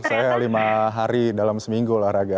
saya lima hari dalam seminggu olahraga